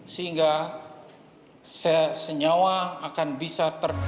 sehingga senyawa akan bisa terkena